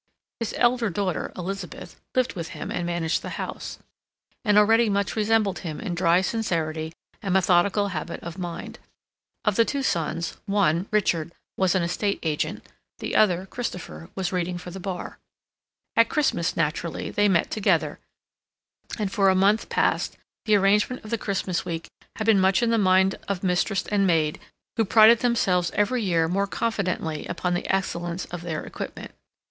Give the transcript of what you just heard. His elder daughter, Elizabeth, lived with him and managed the house, and already much resembled him in dry sincerity and methodical habit of mind; of the two sons one, Richard, was an estate agent, the other, Christopher, was reading for the Bar. At Christmas, naturally, they met together; and for a month past the arrangement of the Christmas week had been much in the mind of mistress and maid, who prided themselves every year more confidently upon the excellence of their equipment.